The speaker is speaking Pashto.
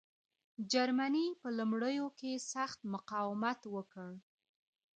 جرمني په لومړیو کې سخت مقاومت وکړ.